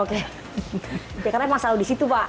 karena emang selalu di situ pak